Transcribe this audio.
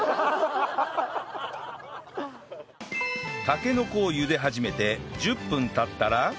たけのこを茹で始めて１０分経ったら